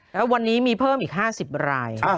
แล้ววันนี้มีเพิ่มอีก๕๐ราย